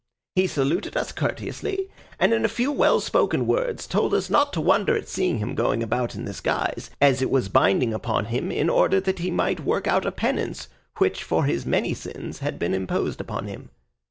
He saluted us courteously, and in a few well spoken words he told us not to wonder at seeing him going about in this guise, as it was binding upon him in order that he might work out a penance which for his many sins had been imposed upon him.